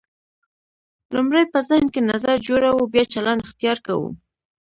لومړی په ذهن کې نظر جوړوو بیا چلند اختیار کوو.